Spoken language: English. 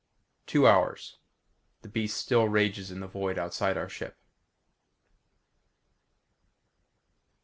Two hours. The beast still rages in the void outside our ship.